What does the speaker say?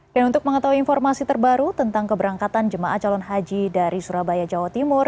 dan untuk mengetahui informasi terbaru tentang keberangkatan jemaah calon haji dari surabaya jawa timur